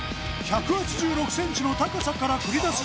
１８６ｃｍの高さから繰り出す